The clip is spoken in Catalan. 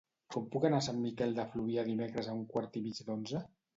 Com puc anar a Sant Miquel de Fluvià dimecres a un quart i mig d'onze?